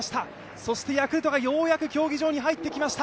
そしてヤクルトがようやく競技場に入ってきました。